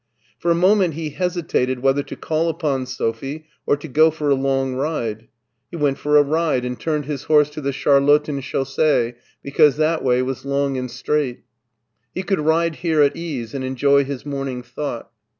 For a moment he hesitated whether to call upon Sophie or to go for a long ride. He went for a ride and turned his BERLIN 213 horse to the Charlotten Chaussee because that way was long and straight. He could ride here at ease and enjoy his morning thought.